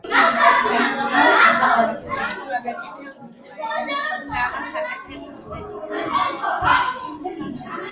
საყვარელო, ერთგულად აკეთებ უველაფერს, რასაც აკეთებ ძმებისა და უცხოთათვის.